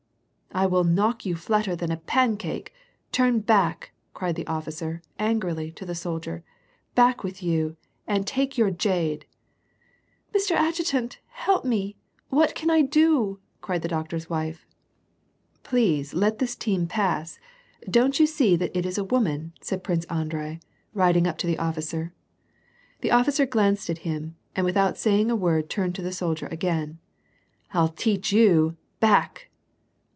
" I will knock you flatter than a pancake ! turn l)aek !" cried the officer, angrily, to the soldier, " back with you, and take your jade 1 "" Mr. Adjutant, help me ! What can I do ?" cried the doc tor's wife. "Please let this team pass. Don't you see that it is a woman ?" said Prince Andrei, riding up to the officer. The officer glanced at him, and without saying a word, turned to the soldier again. " I'll teach you. Back